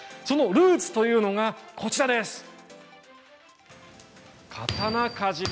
そのルーツというのがこちらです。